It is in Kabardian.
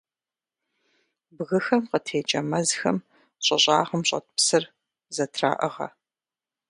Бгыхэм къытекӀэ мэзхэм щӀы щӀагъым щӀэт псыр зэтраӀыгъэ.